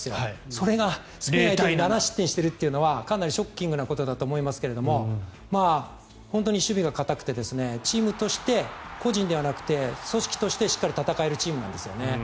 それがスペイン相手に７失点してるっていうのはかなりショッキングなことだと思いますけども本当に守備が堅くてチームとして個人ではなくて組織としてしっかり戦えるチームなんですね。